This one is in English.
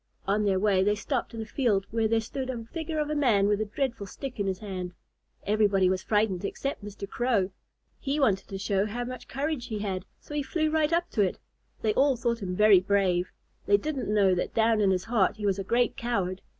On their way they stopped in a field where there stood a figure of a man with a dreadful stick in his hand. Everybody was frightened except Mr. Crow. He wanted to show how much courage he had, so he flew right up to it. They all thought him very brave. They didn't know that down in his heart he was a great coward.